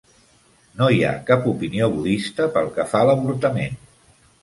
No hi ha cap opinió budista pel que fa a l'avortament.